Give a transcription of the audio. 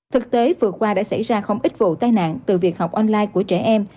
thực tế vừa qua đã xảy ra không ít vụ tai nạn từ việc học online của trẻ em